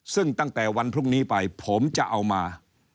ซึ่งตั้งแต่วันพรุ่งนี้ไปผมจะเอามา